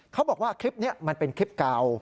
เขาบอกว่าคลิปนี้มันเป็นคลิปเก่า